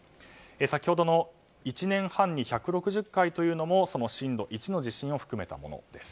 先ほどの１年半に１６０回というのもその震度１の地震を含めたものです。